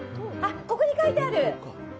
ここに書いてある。